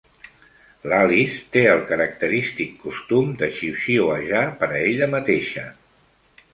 L'Alice té el característic costum de xiuxiuejar per a ella mateixa.